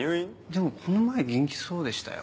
でもこの前元気そうでしたよ。